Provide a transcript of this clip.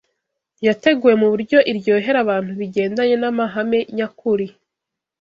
yateguwe mu buryo iryohera abantu bigendanye n’amahame nyakuri